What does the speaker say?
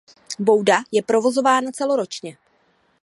Bouda je provozována celoročně.